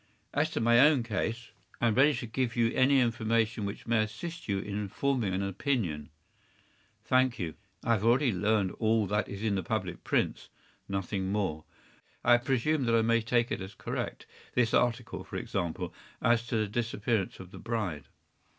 As to my own case, I am ready to give you any information which may assist you in forming an opinion.” “Thank you. I have already learned all that is in the public prints, nothing more. I presume that I may take it as correct—this article, for example, as to the disappearance of the bride.